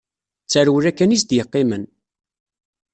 D tarewla kan i s-d-yeqqimen.